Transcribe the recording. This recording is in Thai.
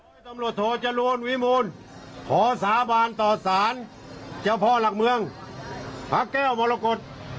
ตำรวจโทจรูลวิมูลขอสาบานต่อสารเจ้าพ่อหลักเมืองพระแก้วมรกฏ